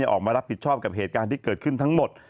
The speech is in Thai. ออกมารับผิดชอบกับเหตุการณ์ที่เกิดขึ้นทั้งหมด